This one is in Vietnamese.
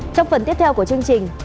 trong phần tiếp theo của chương trình